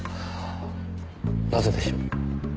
なぜでしょう？